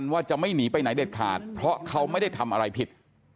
ว่าจะไม่หนีไปไหนเด็ดขาดเพราะเขาไม่ได้ทำอะไรผิด